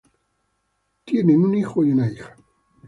Tienen un hijo y una hija